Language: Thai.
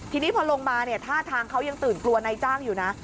ทีนี้พอลงมาเนี่ยท่าทางเขายังตื่นกลัวนายจ้างอยู่นะ